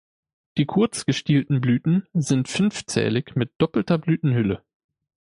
Die kurz gestielten Blüten sind fünfzählig mit doppelter Blütenhülle.